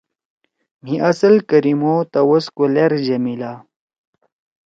مھی اصل کریمو توَس کو لأر جمیلہ